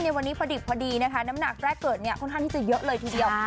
ในวันนี้พอดีน้ำหนักแรกเกิดค่อนข้างที่จะเยอะเลยทีเดียว